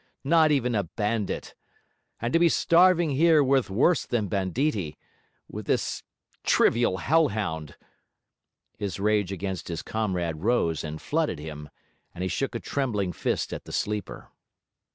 Not even a bandit! and to be starving here with worse than banditti with this trivial hell hound!' His rage against his comrade rose and flooded him, and he shook a trembling fist at the sleeper.